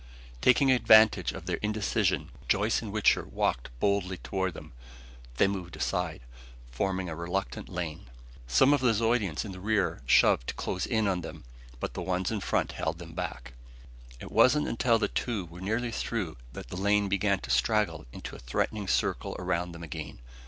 Taking advantage of their indecision, Joyce and Wichter walked boldly toward them. They moved aside, forming a reluctant lane. Some of the Zeudians in the rear shoved to close in on them, but the ones in front held them back. It wasn't until the two were nearly through that the lane began to straggle into a threatening circle around them again.